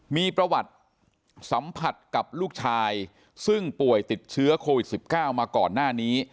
มีประวัติสัมผัสกับลูกชายซึ่งป่วยติดเชื้อโควิด๑๙มาก่อนหน้านี้